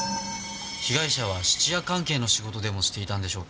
被害者は質屋関係の仕事でもしていたんでしょうか？